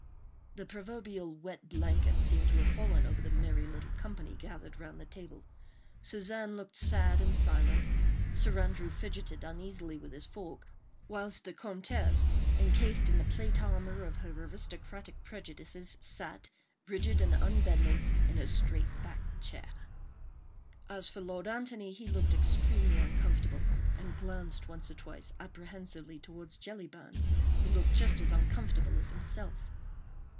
The proverbial wet blanket seemed to have fallen over the merry little company gathered round the table. Suzanne looked sad and silent; Sir Andrew fidgeted uneasily with his fork, whilst the Comtesse, encased in the plate armour of her aristocratic prejudices, sat, rigid and unbending, in her straight backed chair. As for Lord Antony, he looked extremely uncomfortable, and glanced once or twice apprehensively towards Jellyband, who looked just as uncomfortable as himself.